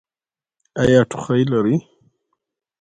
ایا ټوخی لرئ؟